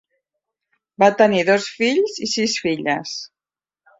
Va tenir dos fills i sis filles.